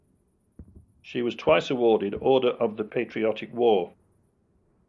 She was twice awarded Order of the Patriotic War.